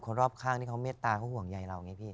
คนรอบข้างที่เขาเมฆตาของห่วงใหญ่เรา